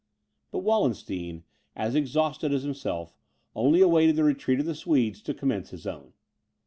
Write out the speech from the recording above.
But Wallenstein, as exhausted as himself, had only awaited the retreat of the Swedes to commence his own.